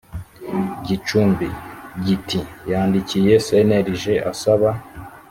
gicumbi giti yandikiye cnlg asaba